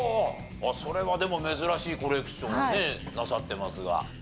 それはでも珍しいコレクションをねなさってますが。